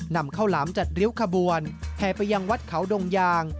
นำข้าวหลามจัดริ้วขบวนแห่ไปยังวัดเขาดงยาง